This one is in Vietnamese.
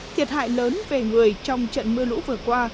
thiệt hại lớn về người trong trận mưa lũ vừa qua